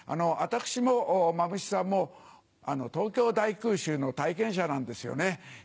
私も蝮さんも東京大空襲の体験者なんですよね。